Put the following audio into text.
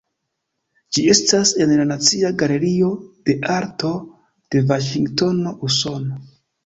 Ĝi estas en la Nacia Galerio de Arto de Vaŝingtono, Usono.